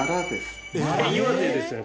岩手ですよね？